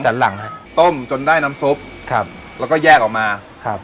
หลังฮะต้มจนได้น้ำซุปครับแล้วก็แยกออกมาครับ